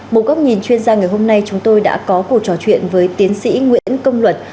một góc nhìn chuyên gia ngày hôm nay chúng tôi đã có cuộc trò chuyện với tiến sĩ nguyễn công luật